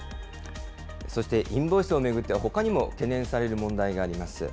そしてインボイスを巡っては、ほかにも懸念される問題があります。